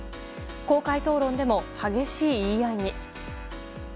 公開討論でも激しい言い合いに。